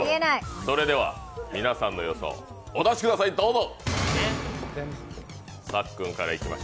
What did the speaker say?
それでは皆さんの予想、お出しください、どうぞ。